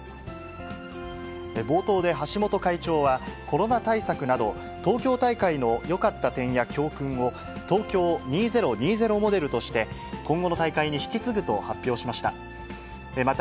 冒頭で橋本会長は、コロナ対策など、東京大会のよかった点や教訓を、東京２０２０モデルとして、今後の大会に引き継ぐと発表しました。